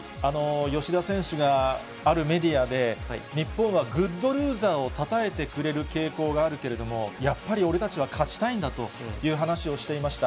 吉田選手が、あるメディアで、日本はグッドルーザーをたたえてくれる傾向があるけれども、やっぱり俺たちは勝ちたいんだという話をしていました。